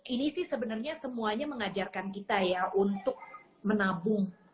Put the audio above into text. ini sih sebenarnya semuanya mengajarkan kita ya untuk menabung